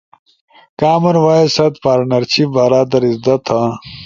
کامن وائس ست پارتنرشب بارا در اِزدا تھا